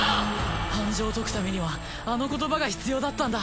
暗示を解くためにはあの言葉が必要だったんだ。